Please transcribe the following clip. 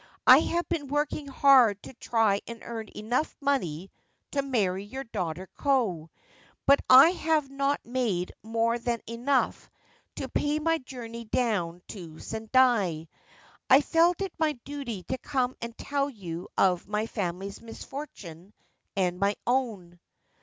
I have been working hard to try and earn enough to marry your daughter Ko ; but I have not made more than enough to pay my journey down to Sendai. I felt it my duty to come and tell you of my family's misfortune and my own.'